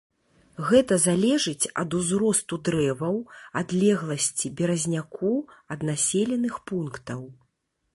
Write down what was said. Гэта залежыць ад узросту дрэваў, адлегласці беразняку ад населеных пунктаў.